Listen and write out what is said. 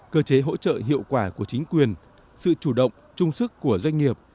cơ chế hỗ trợ hiệu quả của chính quyền sự chủ động trung sức của doanh nghiệp